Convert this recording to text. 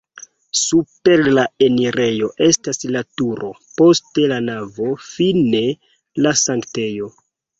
Super la enirejo estas la turo, poste la navo, fine la sanktejo.